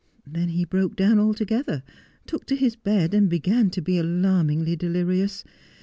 Then he broke down al together, took to his bed, and began to be alarmingly delirious.